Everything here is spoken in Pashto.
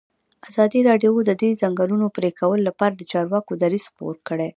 ازادي راډیو د د ځنګلونو پرېکول لپاره د چارواکو دریځ خپور کړی.